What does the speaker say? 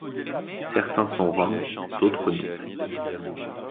Certains sont Roms, d'autres non.